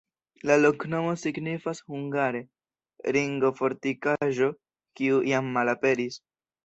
La loknomo signifas hungare: ringo-fortikaĵo, kiu jam malaperis.